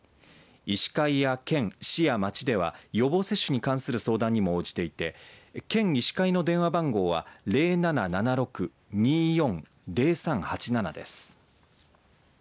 医師会や県、市や町では予防接種に関する相談にも応じていて県医師会の電話番号は０７７６‐２４‐０３８７です。